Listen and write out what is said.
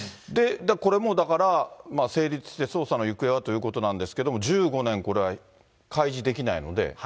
これもだから、成立して捜査の行方はということなんですけれども、１５年、これは開示できないので。